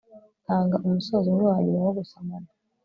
Tanga umusozo umwe wanyuma wo gusomana